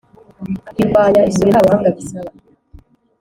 birwanya isuri nta buhanga bisaba.